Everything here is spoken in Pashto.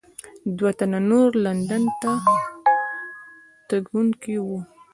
دوه تنه نور لندن ته تګونکي وو.